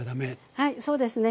はいそうですね。